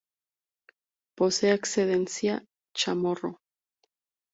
Posee ascendencia chamorro.